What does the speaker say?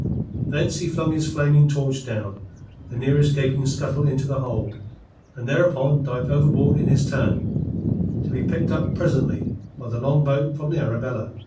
Thence he flung his flaming torch down the nearest gaping scuttle into the hold, and thereupon dived overboard in his turn, to be picked up presently by the longboat from the Arabella.